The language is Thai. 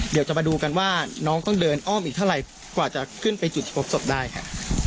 เดี๋ยวจะมาดูกันว่าน้องต้องเดินอ้อมอีกเท่าไหร่กว่าจะขึ้นไปจุดพบศพได้ค่ะ